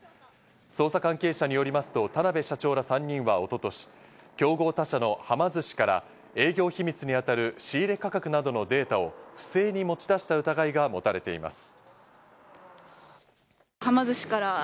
捜査関係者によりますと田辺社長ら３人は一昨年、競合他社のはま寿司から営業秘密に当たる仕入れ価格などのデータを不正に持ち出した疑いが持たれています。